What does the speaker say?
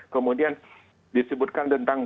kemudian disebutkan tentang